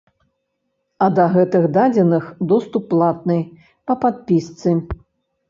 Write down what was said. А да гэтых дадзеных доступ платны, па падпісцы.